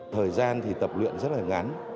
thời gian thì tập luyện rất là ngắn